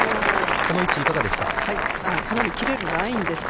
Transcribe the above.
この位置、いかがですか。